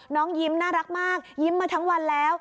ยิ้มน่ารักมากยิ้มมาทั้งวันแล้ว